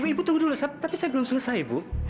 ibu tunggu dulu tapi saya belum selesai ibu